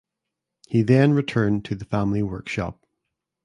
He then returned to the family workshop.